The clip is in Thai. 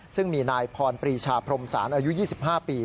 ซึ่งมีนายพรปรีชาพรมศาลอายุ๒๕ปี